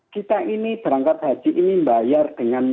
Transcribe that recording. kita ini berangkat haji ini membayar dengan